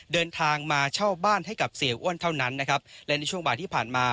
เดินทางมาเช่าบ้านให้กับเสียอ้วนเท่านั้นนะครับและในช่วงบ่ายที่ผ่านมา